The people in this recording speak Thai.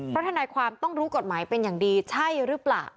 เพราะทนายความต้องรู้กฎหมายเป็นอย่างดีใช่หรือเปล่า